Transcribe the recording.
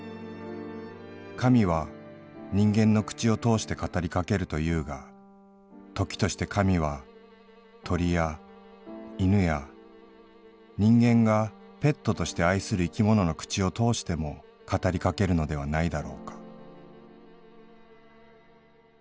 『神は人間の口を通して語りかけると言うが時として神は鳥や犬や人間がペットとして愛する生きものの口を通しても語りかけるのではないだろうか』」。